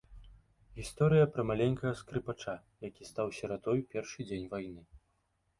Гісторыя пра маленькага скрыпача, які стаў сіратой у першы дзень вайны.